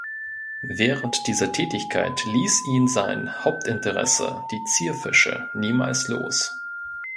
Während dieser Tätigkeit ließ ihn sein Hauptinteresse, die Zierfische, niemals los.